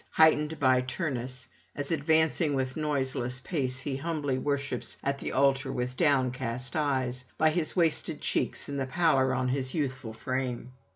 . heightened by Turnus, as advancing with noiseless pace he humbly worships at the altar with downcast eye, by his wasted cheeks and the pallor on his youthful frame.